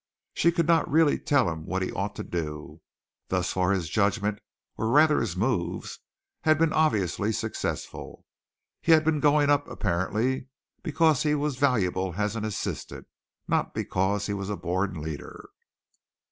She could not really tell him what he ought to do. Thus far his judgment, or rather his moves, had been obviously successful. He had been going up apparently because he was valuable as an assistant, not because he was a born leader.